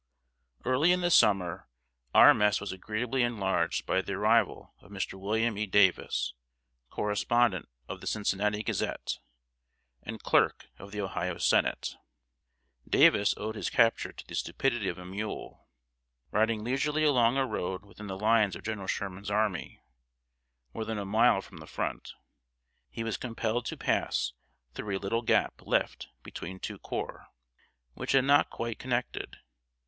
] Early in the summer, our mess was agreeably enlarged by the arrival of Mr. William E. Davis, Correspondent of The Cincinnati Gazette and Clerk of the Ohio Senate. Davis owed his capture to the stupidity of a mule. Riding leisurely along a road within the lines of General Sherman's army, more than a mile from the front, he was compelled to pass through a little gap left between two corps, which had not quite connected.